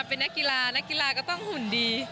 เป็นนักกีฬานักกีฬาก็ต้องหุ่นดี